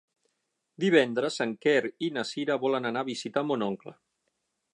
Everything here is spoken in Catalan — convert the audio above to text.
Divendres en Quer i na Cira volen anar a visitar mon oncle.